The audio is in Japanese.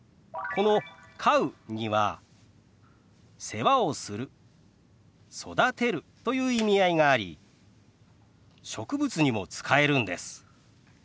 この「飼う」には「世話をする」「育てる」という意味合いがあり植物にも使えるんです。